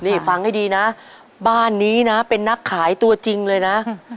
นี่ฟังให้ดีนะบ้านนี้นะเป็นนักขายตัวจริงเลยนะ